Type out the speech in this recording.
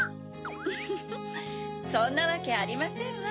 フフフそんなわけありませんわ。